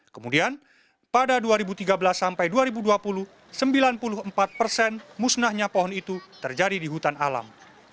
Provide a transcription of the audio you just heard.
kemudian pada dua ribu tiga belas sampai dua ribu dua puluh sembilan puluh empat persen musnahnya pohon itu terjadi di hutan alam